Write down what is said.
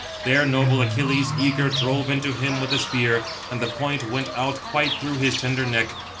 There noble Achilles, eager, drove into him with the spear, and the point went out quite through his tender neck.